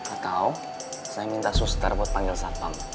atau saya minta suster buat panggil satpam